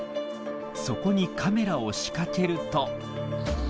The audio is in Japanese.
そこにカメラを仕掛けると。